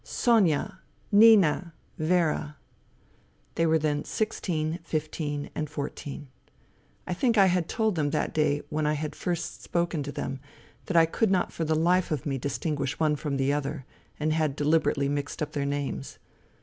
" Sonia !"" Nina !"" Vera !" They were then sixteen, fifteen and fourteen, I think I had told them that day when I had first spoken to them that I could not for the life of me distinguish one from the other, and had deliberately mixed up their names.